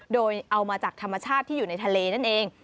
โดยเอามาจากธรรมชาติที่อยู่ในทะเลนั่นเอง